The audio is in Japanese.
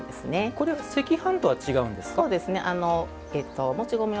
これは赤飯とは違うんですか。